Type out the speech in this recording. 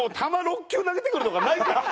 球６球投げてくるとかないから。